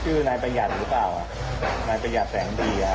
คือถ้าต่อต้องเป็นเจ้าของบ้านไปต่อกันงี่เหรอค่ะ